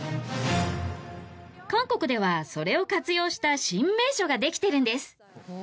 韓国ではそれを活用した新名所ができてるんです。